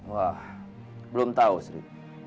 wah belum tahu sri